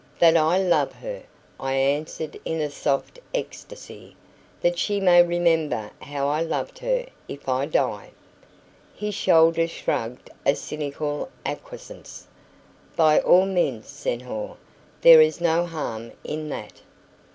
"That I love her!" I answered in a soft ecstasy. "That she may remember how I loved her, if I die!" His shoulders shrugged a cynical acquiescence. "By all mins, senhor; there is no harm in that."